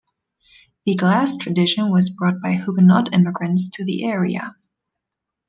The glass tradition was brought by Huguenot immigrants to the area.